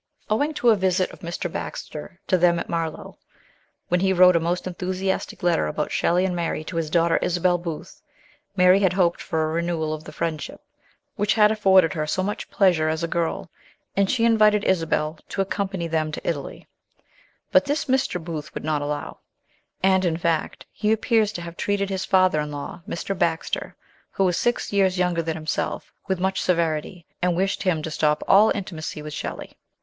Owing to a visit of Mr. Baxter to them at Marlow, when he wrote a most enthusiastic letter about Shelley and Mary to his daughter Isabel Booth, Mary had hoped for a renewal of the friendship which had afforded her so much pleasure as a girl, and she invited Isabel to accompany them to Italy ; but this Mr. Booth would not allow, and, in fact, he appears to have treated his father in law, Mr. Baxter, who was six years younger than himself, with much severity, and wished him to stop all intimacy with Shelley.